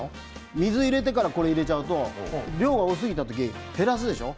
水を入れてからこれを入れると量が多すぎた時に減らすでしょう？